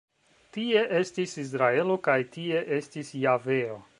Tie estis Izraelo kaj tie estis Javeo”.